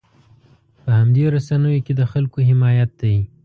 په همدې رسنیو کې د خلکو حمایت دی.